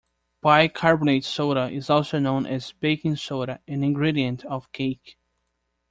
Bicarbonate soda is also known as baking soda, an ingredient of cake.